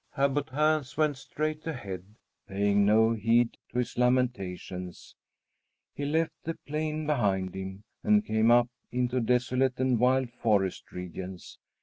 Abbot Hans went straight ahead, paying no heed to his lamentations. He left the plain behind him and came up into desolate and wild forest regions.